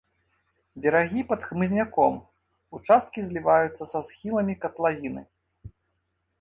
Берагі пад хмызняком, участкі зліваюцца са схіламі катлавіны.